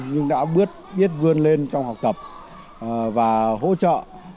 nhưng đã biết vươn lên trong học tập và hỗ trợ